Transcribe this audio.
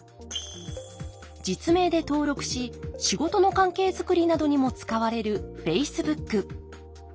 実名で登録し仕事の関係づくりなどにも使われるｆａｃｅｂｏｏｋ。